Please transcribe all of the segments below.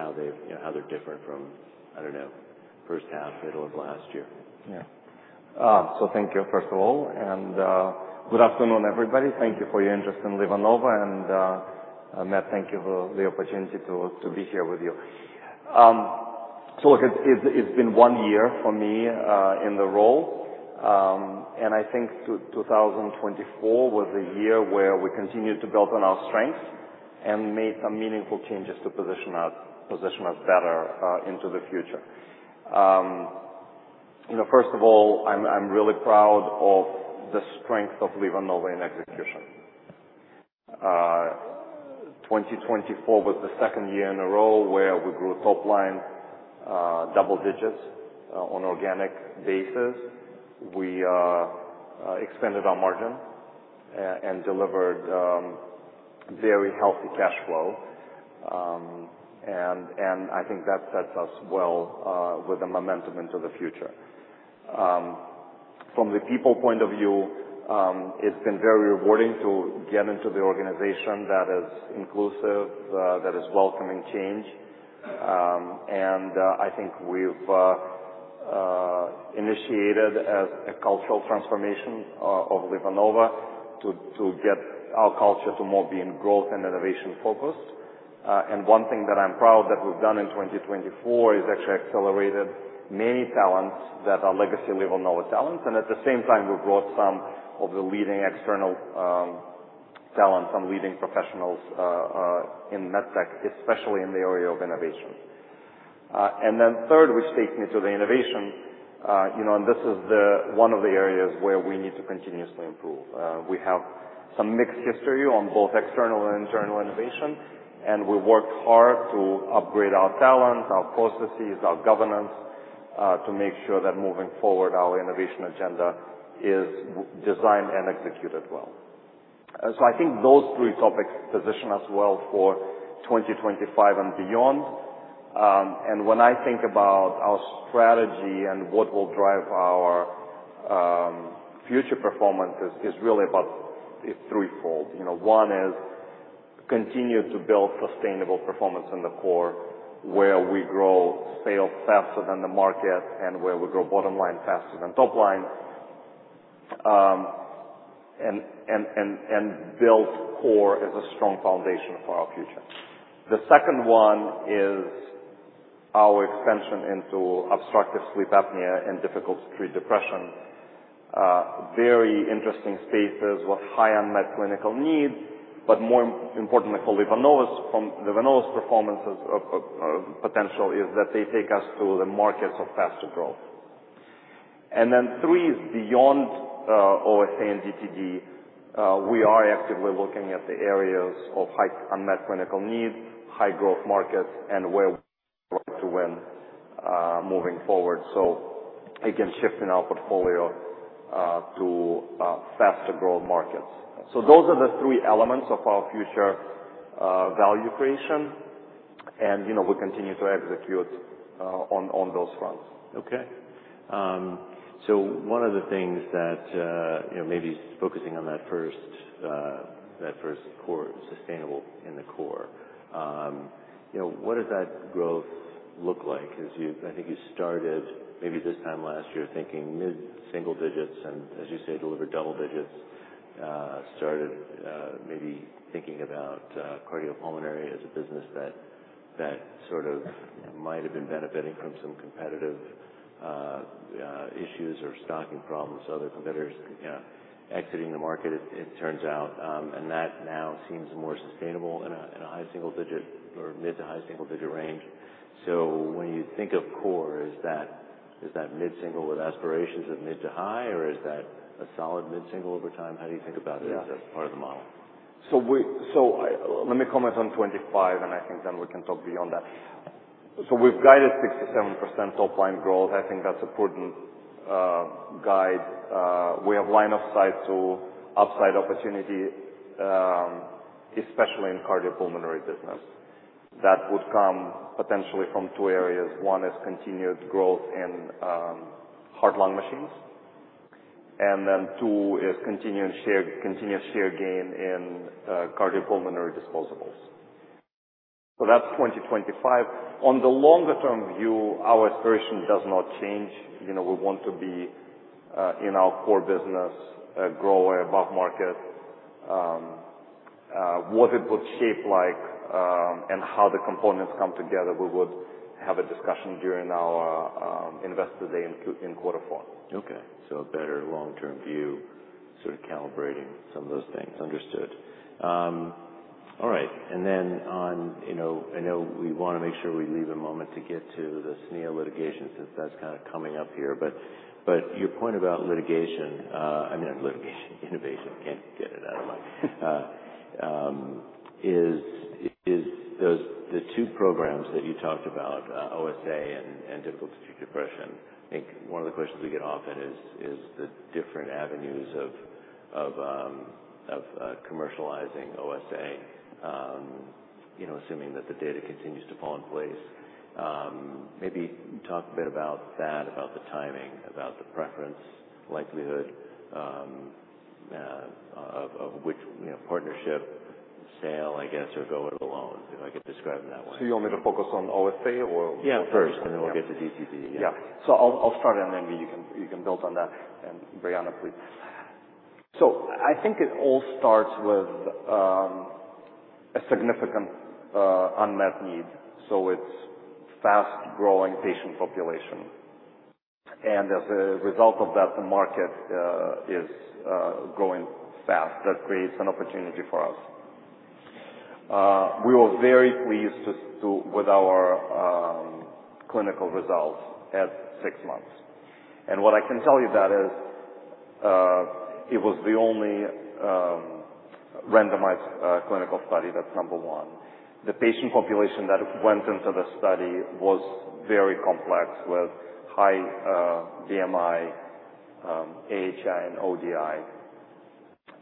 Maybe how they've, you know, how they're different from, I don't know, first half, middle of last year. Yeah. Thank you, first of all, and good afternoon, everybody. Thank you for your interest in LivaNova. Matt, thank you for the opportunity to be here with you. Look, it's been one year for me in the role. I think 2024 was a year where we continued to build on our strengths and made some meaningful changes to position us better into the future. You know, first of all, I'm really proud of the strength of LivaNova in execution. 2024 was the second year in a row where we grew top line double digits on an organic basis. We expanded our margin and delivered very healthy cash flow. I think that sets us well, with a momentum into the future. From the people point of view, it's been very rewarding to get into the organization that is inclusive, that is welcoming change. I think we've initiated as a cultural transformation of LivaNova to get our culture to more be in growth and innovation focus. One thing that I'm proud that we've done in 2024 is actually accelerated many talents that are legacy LivaNova talents. At the same time, we brought some of the leading external talents and leading professionals in med tech, especially in the area of innovation. Then third, which takes me to the innovation, you know, and this is one of the areas where we need to continuously improve. We have some mixed history on both external and internal innovation, and we worked hard to upgrade our talent, our processes, our governance, to make sure that moving forward, our innovation agenda is designed and executed well. I think those three topics position us well for 2025 and beyond. When I think about our strategy and what will drive our future performance, it is really about, it is threefold. You know, one is continue to build sustainable performance in the core where we grow sales faster than the market and where we grow bottom line faster than top line, and build core as a strong foundation for our future. The second one is our expansion into obstructive sleep apnea and difficult-to-treat depression. Very interesting spaces with high unmet clinical needs, but more importantly for LivaNova's, from LivaNova's performance, is, potential is that they take us to the markets of faster growth. Three, beyond OSA and DTD, we are actively looking at the areas of high unmet clinical needs, high growth markets, and where we try to win, moving forward. Again, shifting our portfolio to faster growth markets. Those are the three elements of our future value creation. You know, we continue to execute on those fronts. Okay. So one of the things that, you know, maybe focusing on that first, that first core sustainable in the core. You know, what does that growth look like? As you, I think you started maybe this time last year thinking mid-single digits and, as you say, delivered double digits, started, maybe thinking about cardiopulmonary as a business that, that sort of might have been benefiting from some competitive issues or stocking problems, other competitors, you know, exiting the market, it turns out. And that now seems more sustainable in a high single digit or mid to high single digit range. So when you think of core, is that, is that mid-single with aspirations of mid to high, or is that a solid mid-single over time? How do you think about it as a part of the model? Yeah. So we, so I, let me comment on twenty-five, and I think then we can talk beyond that. We've guided 6%-7% top line growth. I think that's a prudent guide. We have line of sight to upside opportunity, especially in cardiopulmonary business. That would come potentially from two areas. One is continued growth in heart-lung machines. And then two is continued share, continuous share gain in cardiopulmonary disposables. That's 2025. On the longer-term view, our aspiration does not change. You know, we want to be, in our core business, grow above market. What it would shape like, and how the components come together, we would have a discussion during our Investor Day in quarter four. Okay. A better long-term view, sort of calibrating some of those things. Understood. All right. And then on, you know, I know we wanna make sure we leave a moment to get to the SNIA litigation since that's kinda coming up here. Your point about litigation, I mean, litigation, innovation, can't get it out of my, is, is those the two programs that you talked about, OSA and, and difficult-to-treat depression. I think one of the questions we get often is, is the different avenues of, of, of, commercializing OSA, you know, assuming that the data continues to fall in place. Maybe talk a bit about that, about the timing, about the preference likelihood, of, of which, you know, partnership sale, I guess, or go it alone, if I could describe it that way. You want me to focus on OSA or? Yeah, first. And then we'll get to DTD. Yeah. Yeah. I'll start, and then you can build on that. Briana, please. I think it all starts with a significant unmet need. It is a fast-growing patient population. As a result of that, the market is growing fast. That creates an opportunity for us. We were very pleased with our clinical results at six months. What I can tell you is it was the only randomized clinical study. That's number one. The patient population that went into the study was very complex with high BMI, AHI, and ODI.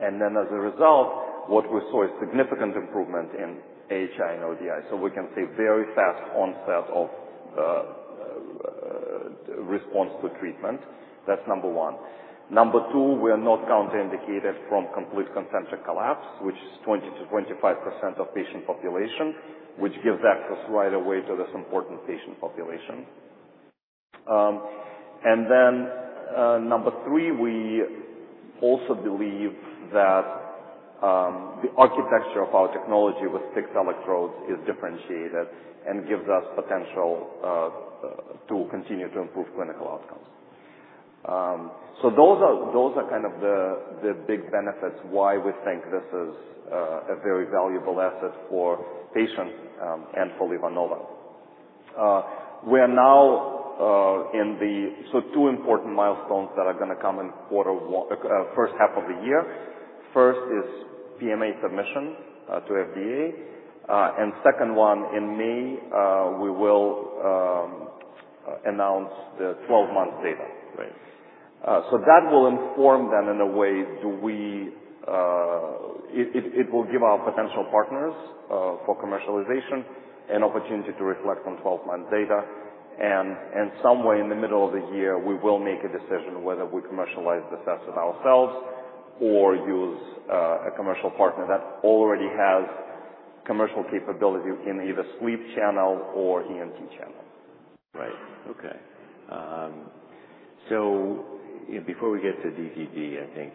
As a result, what we saw is significant improvement in AHI and ODI. We can see very fast onset of response to treatment. That's number one. Number two, we are not contraindicated from complete concentric collapse, which is 20%-25% of patient population, which gives access right away to this important patient population. Then, number three, we also believe that the architecture of our technology with fixed electrodes is differentiated and gives us potential to continue to improve clinical outcomes. Those are kind of the big benefits why we think this is a very valuable asset for patients, and for LivaNova. We are now in the, so two important milestones that are gonna come in quarter one, first half of the year. First is PMA submission to FDA. The second one, in May, we will announce the 12-month data. Right. That will inform then in a way, do we, it will give our potential partners for commercialization an opportunity to reflect on twelve-month data. And somewhere in the middle of the year, we will make a decision whether we commercialize this asset ourselves or use a commercial partner that already has commercial capability in either sleep channel or ENT channel. Right. Okay. So, you know, before we get to DTD, I think,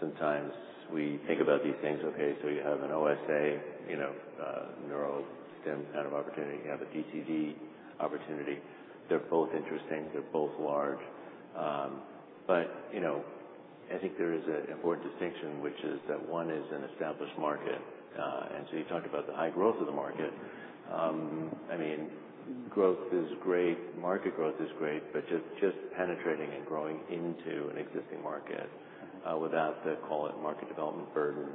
sometimes we think about these things. Okay. So you have an OSA, you know, neurostim kind of opportunity. You have a DTD opportunity. They're both interesting. They're both large. But, you know, I think there is an important distinction, which is that one is an established market. And so you talked about the high growth of the market. I mean, growth is great. Market growth is great, but just, just penetrating and growing into an existing market, without the, call it, market development burden,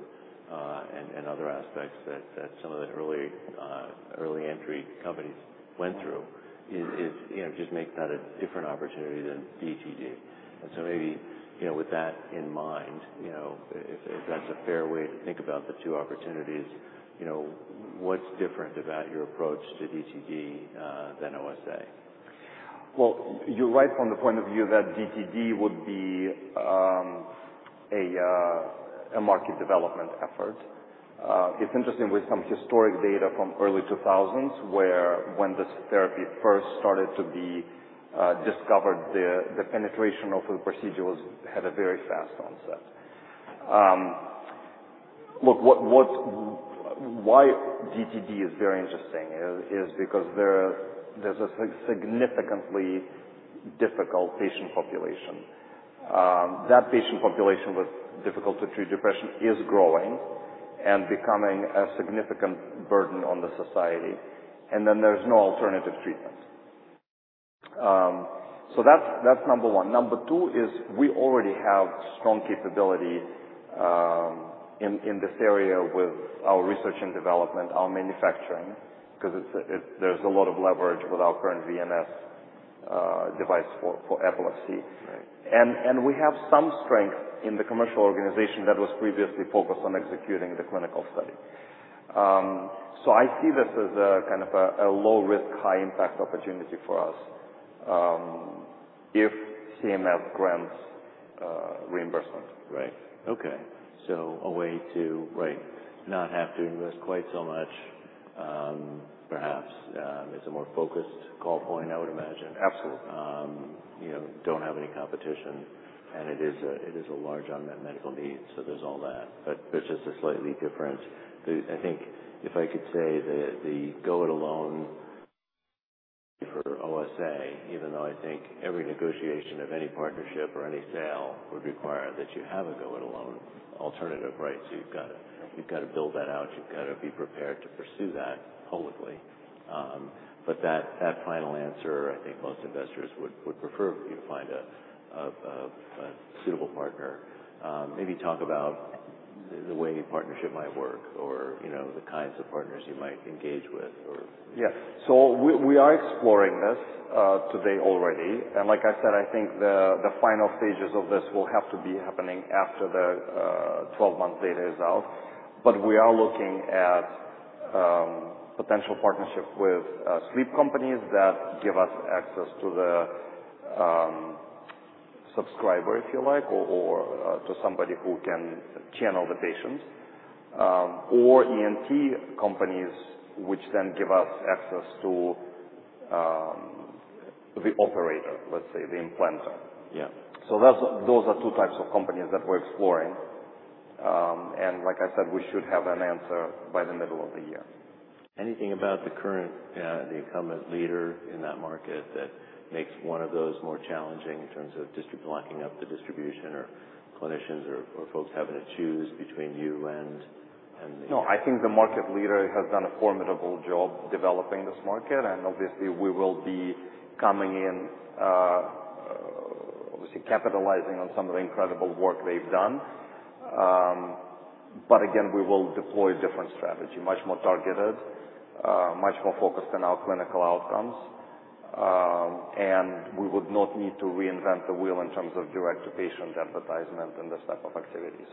and, and other aspects that, that some of the early, early entry companies went through is, is, you know, just makes that a different opportunity than DTD. Maybe, you know, with that in mind, you know, if, if that's a fair way to think about the two opportunities, you know, what's different about your approach to DTD than OSA? You're right from the point of view that DTD would be a market development effort. It's interesting with some historic data from early 2000s where when this therapy first started to be discovered, the penetration of the procedure had a very fast onset. What, why DTD is very interesting is because there is a significantly difficult patient population. That patient population with difficult-to-treat depression is growing and becoming a significant burden on the society. There is no alternative treatment. That's number one. Number two is we already have strong capability in this area with our research and development, our manufacturing, because there's a lot of leverage with our current VNS device for epilepsy. Right. We have some strength in the commercial organization that was previously focused on executing the clinical study. I see this as a kind of a low-risk, high-impact opportunity for us, if CMS grants reimbursement. Right. Okay. A way to, right, not have to invest quite so much, perhaps, it's a more focused call point, I would imagine. Absolutely. You know, don't have any competition. And it is a, it is a large unmet medical need. So there's all that. But just a slightly different, I think if I could say the go it alone for OSA, even though I think every negotiation of any partnership or any sale would require that you have a go it alone alternative, right? So you've gotta, you've gotta build that out. You've gotta be prepared to pursue that publicly. But that final answer, I think most investors would prefer you to find a suitable partner. Maybe talk about the way partnership might work or, you know, the kinds of partners you might engage with or. Yeah. We are exploring this today already. Like I said, I think the final stages of this will have to be happening after the twelve-month data is out. We are looking at potential partnership with sleep companies that give us access to the subscriber, if you like, or to somebody who can channel the patients, or ENT companies, which then give us access to the operator, let's say, the implanter. Yeah. Those are two types of companies that we're exploring, and like I said, we should have an answer by the middle of the year. Anything about the current, the incumbent leader in that market that makes one of those more challenging in terms of blocking up the distribution or clinicians or folks having to choose between you and the? No, I think the market leader has done a formidable job developing this market. Obviously, we will be coming in, obviously capitalizing on some of the incredible work they've done. Again, we will deploy a different strategy, much more targeted, much more focused on our clinical outcomes. We would not need to reinvent the wheel in terms of direct-to-patient advertisement and this type of activity.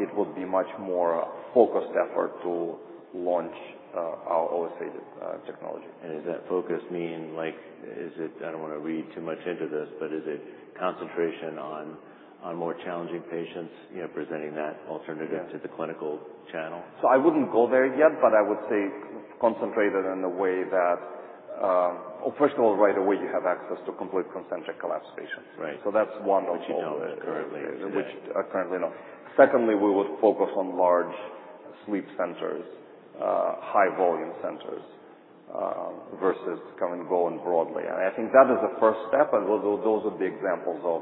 It would be a much more focused effort to launch our OSA technology. Does that focus mean, like, is it, I don't wanna read too much into this, but is it concentration on, on more challenging patients, you know, presenting that alternative to the clinical channel? I would not go there yet, but I would say concentrated in the way that, well, first of all, right away you have access to complete concentric collapse patients. Right. That's one of the. Which you don't currently. Which are currently not. Secondly, we would focus on large sleep centers, high-volume centers, versus kind of going broadly. I think that is a first step. Those would be examples of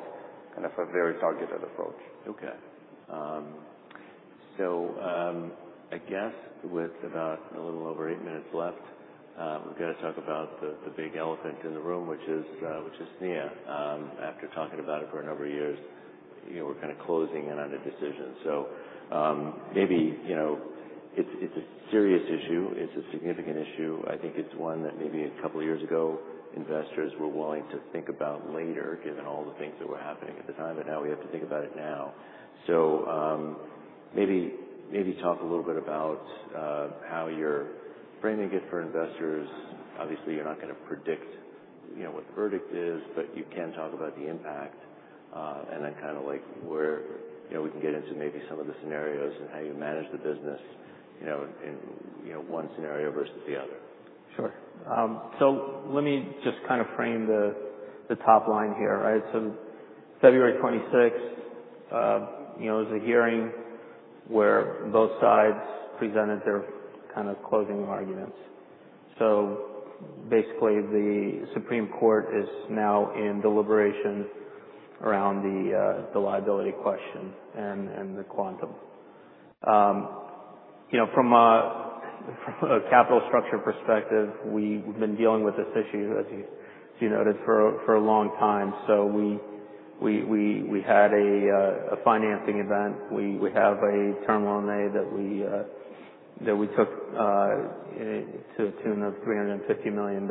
kind of a very targeted approach. Okay. I guess with a little over eight minutes left, we've gotta talk about the big elephant in the room, which is SNIA. After talking about it for a number of years, you know, we're kinda closing in on a decision. Maybe, you know, it's a serious issue. It's a significant issue. I think it's one that maybe a couple of years ago, investors were willing to think about later, given all the things that were happening at the time, but now we have to think about it now. Maybe talk a little bit about how you're framing it for investors. Obviously, you're not gonna predict, you know, what the verdict is, but you can talk about the impact, and then kinda like where, you know, we can get into maybe some of the scenarios and how you manage the business, you know, in, you know, one scenario versus the other. Sure. Let me just kinda frame the, the top line here, right? February 26th, you know, it was a hearing where both sides presented their kinda closing arguments. Basically, the Supreme Court is now in deliberation around the, the liability question and, and the quantum. You know, from a capital structure perspective, we've been dealing with this issue, as you noted, for a long time. We had a financing event. We have a term loan that we took, to a tune of $350 million.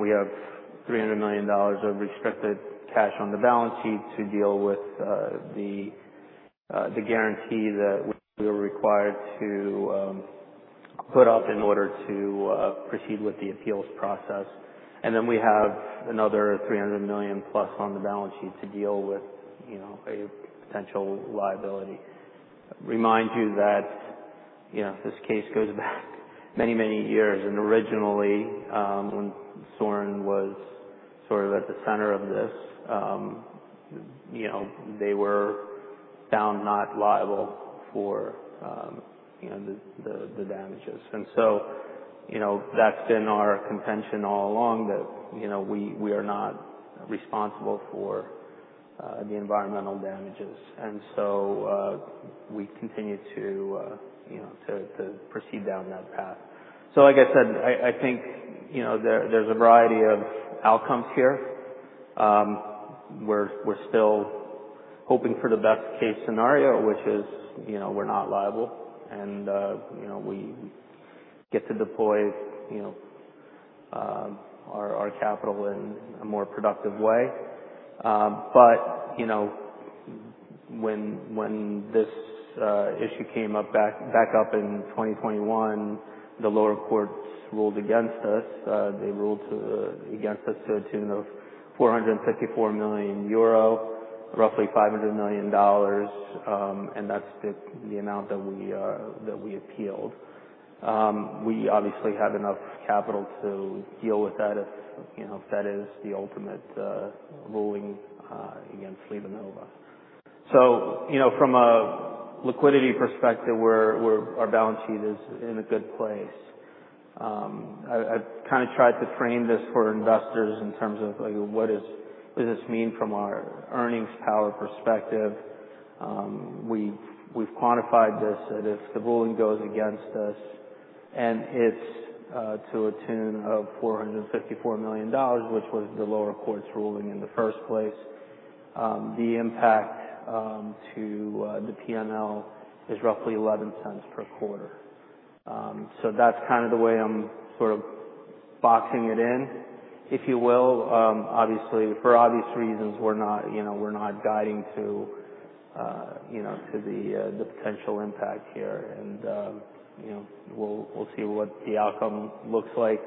We have $300 million of restricted cash on the balance sheet to deal with the, the guarantee that we were required to put up in order to proceed with the appeals process. We have another $300 million+ on the balance sheet to deal with, you know, a potential liability. Remind you that, you know, this case goes back many, many years. Originally, when Sorin was sort of at the center of this, you know, they were found not liable for, you know, the damages. That has been our contention all along that, you know, we are not responsible for the environmental damages. We continue to, you know, proceed down that path. Like I said, I think, you know, there is a variety of outcomes here. We are still hoping for the best-case scenario, which is, you know, we are not liable. You know, we get to deploy our capital in a more productive way. But, you know, when this issue came up back in 2021, the lower courts ruled against us. They ruled against us to a tune of 454 million euro, roughly $500 million. That is the amount that we appealed. We obviously have enough capital to deal with that if, you know, if that is the ultimate ruling against LivaNova. You know, from a liquidity perspective, our balance sheet is in a good place. I have kind of tried to frame this for investors in terms of, like, what does this mean from our earnings power perspective? We have quantified this that if the ruling goes against us and it is to a tune of EUR 454 million, which was the lower court's ruling in the first place, the impact to the P&L is roughly $0.11 per quarter. That's kinda the way I'm sort of boxing it in, if you will. Obviously, for obvious reasons, we're not, you know, we're not guiding to, you know, to the potential impact here. And, you know, we'll see what the outcome looks like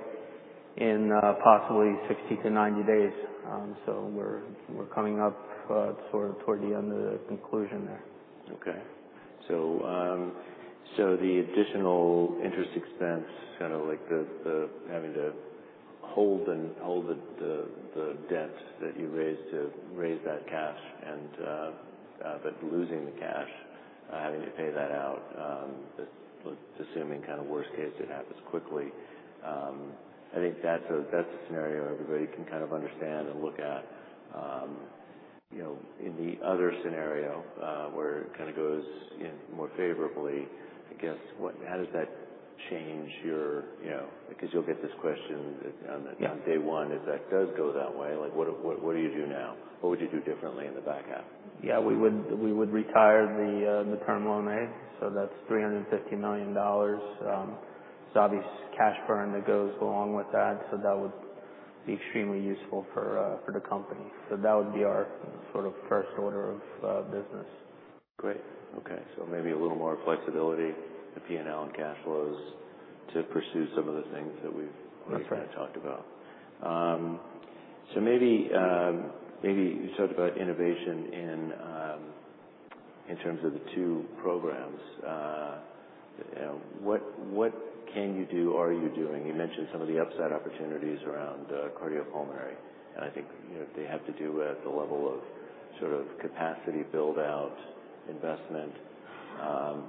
in, possibly 60-90 days. We're coming up, sort of toward the end of the conclusion there. Okay. The additional interest expense, kind of like having to hold and hold the debt that you raised to raise that cash and, but losing the cash, having to pay that out, assuming kind of worst case it happens quickly. I think that's a scenario everybody can kind of understand and look at. You know, in the other scenario, where it kind of goes more favorably, I guess, how does that change your, you know, because you'll get this question on day one, if that does go that way, like, what do you do now? What would you do differently in the back half? Yeah, we would retire the Term Loan A. That's $350 million. It's obvious cash burn that goes along with that. That would be extremely useful for the company. That would be our sort of first order of business. Great. Okay. Maybe a little more flexibility, the P&L and cash flows to pursue some of the things that we've. That's right. We've kinda talked about, so maybe, maybe you talked about innovation in, in terms of the two programs. You know, what, what can you do, are you doing? You mentioned some of the upside opportunities around cardiopulmonary. And I think, you know, they have to do with the level of sort of capacity build-out investment.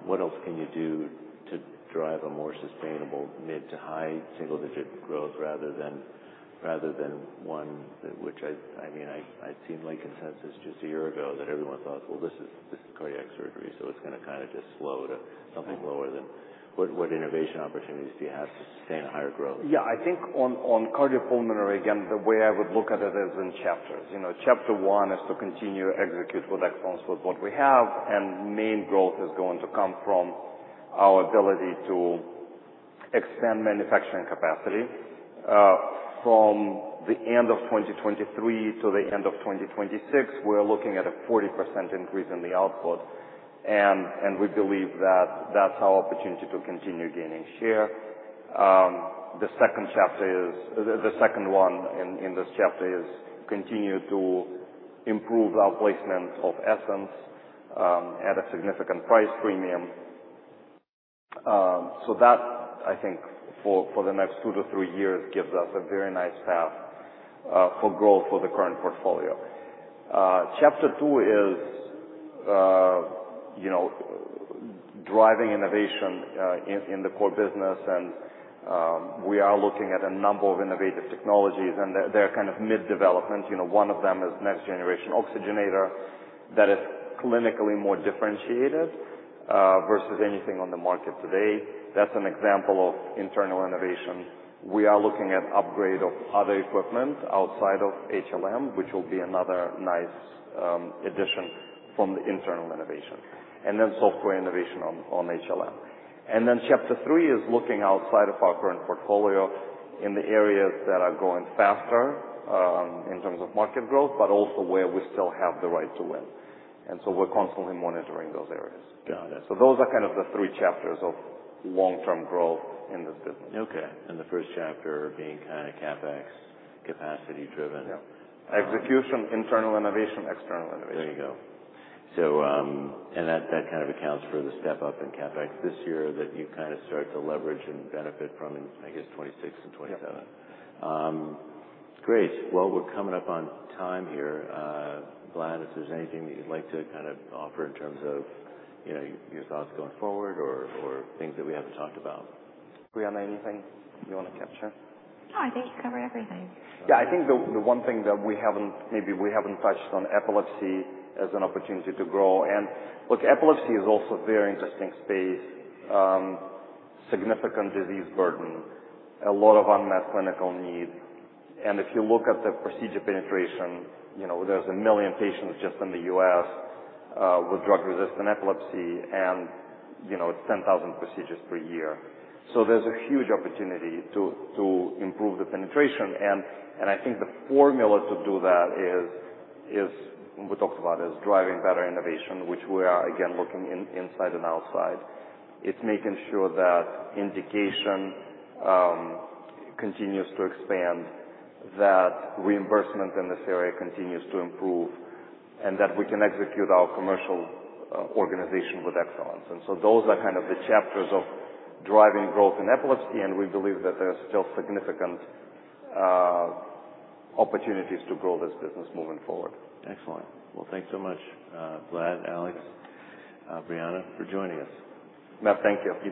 What else can you do to drive a more sustainable mid to high single-digit growth rather than, rather than one that which I, I mean, I, I seen like consensus just a year ago that everyone thought, well, this is, this is cardiac surgery. So it's gonna kinda just slow to something lower than what, what innovation opportunities do you have to sustain a higher growth? Yeah, I think on cardiopulmonary, again, the way I would look at it is in chapters. You know, chapter one is to continue to execute with excellence with what we have. Main growth is going to come from our ability to expand manufacturing capacity. From the end of 2023 to the end of 2026, we're looking at a 40% increase in the output. We believe that that's our opportunity to continue gaining share. The second chapter is, the second one in this chapter is continue to improve our placement of Essenz, at a significant price premium. That, I think, for the next two to three years gives us a very nice path for growth for the current portfolio. Chapter two is, you know, driving innovation in the core business. We are looking at a number of innovative technologies. They are kind of mid-development. You know, one of them is next-generation oxygenator that is clinically more differentiated, versus anything on the market today. That is an example of internal innovation. We are looking at upgrade of other equipment outside of HLM, which will be another nice addition from the internal innovation. Then software innovation on HLM. Chapter three is looking outside of our current portfolio in the areas that are going faster, in terms of market growth, but also where we still have the right to win. We are constantly monitoring those areas. Got it. Those are kind of the three chapters of long-term growth in this business. Okay. The first chapter being kinda CapEx, capacity-driven. Yeah. Execution, internal innovation, external innovation. There you go. That kind of accounts for the step-up in CapEx this year that you kind of start to leverage and benefit from in, I guess, 2026 and 2027. Yeah. Great. We're coming up on time here. Vlad, if there's anything that you'd like to kinda offer in terms of, you know, your thoughts going forward or things that we haven't talked about. Briana, anything you wanna capture? No, I think you covered everything. Yeah, I think the one thing that we haven't, maybe we haven't touched on epilepsy as an opportunity to grow. And look, epilepsy is also a very interesting space, significant disease burden, a lot of unmet clinical need. And if you look at the procedure penetration, you know, there's a million patients just in the U.S., with drug-resistant epilepsy. And, you know, it's 10,000 procedures per year. There is a huge opportunity to improve the penetration. I think the formula to do that is, as we talked about, is driving better innovation, which we are, again, looking in, inside and outside. It's making sure that indication continues to expand, that reimbursement in this area continues to improve, and that we can execute our commercial organization with excellence. Those are kind of the chapters of driving growth in epilepsy. We believe that there's still significant opportunities to grow this business moving forward. Excellent. Thanks so much, Vlad, Alex, Briana, for joining us. Matt, thank you.